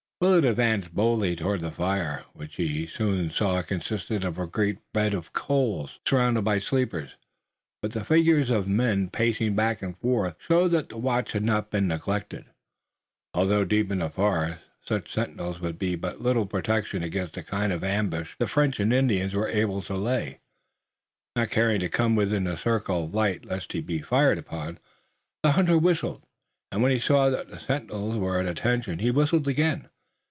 Willet advanced boldly toward the fire, which he soon saw consisted of a great bed of coals, surrounded by sleepers. But the figures of men, pacing back and forth, showed that the watch had not been neglected, although in the deep forest such sentinels would be but little protection against the kind of ambush the French and Indians were able to lay. Not caring to come within the circle of light lest he be fired upon, the hunter whistled, and when he saw that the sentinels were at attention he whistled again.